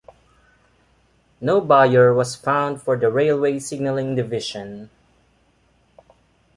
No buyer was found for the railway signalling division.